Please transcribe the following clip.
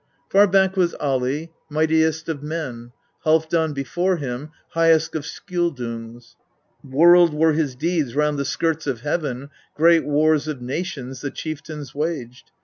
18. Far back was Ali, mightiest of men : Halfdan before him highest of Skjoldungs, whirled were his deeds round the skirts of heaven, great wars of nations the chieftains waged.